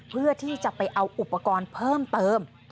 เพื่อที่จะไปเอาอุปกรณ์เพิ่มเติม